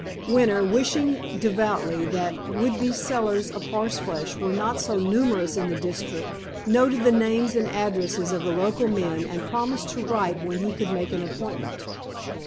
Winter, wishing devoutly that would be sellers of horseflesh were not so numerous in the district, noted the names and addresses of the local men, and promised to write when he could make an appointment.